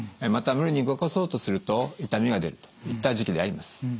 また無理に動かそうとすると痛みが出るといった時期であります。